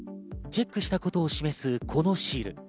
チェックしたことを示す、このシール。